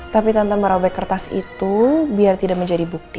tapi tante merobek kertas itu biar tidak menjadi bukti